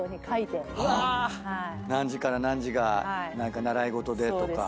何時から何時が習い事でとか。